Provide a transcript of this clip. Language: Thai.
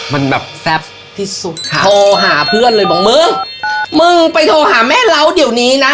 มันแบบแซ่บที่สุดค่ะโทรหาเพื่อนเลยบอกมึงมึงไปโทรหาแม่เราเดี๋ยวนี้นะ